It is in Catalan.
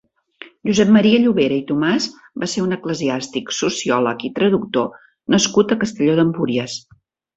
Josep Maria Llovera i Tomàs va ser un eclesiàstic, sociòleg i traductor nascut a Castelló d'Empúries.